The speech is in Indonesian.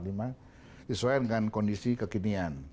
disesuaikan dengan kondisi kekinian